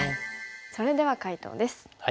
それでは解答です。